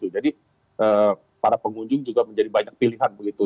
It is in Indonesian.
para pengunjung juga menjadi banyak pilihan begitu